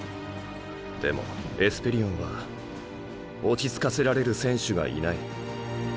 でもエスペリオンは落ち着かせられる選手がいない。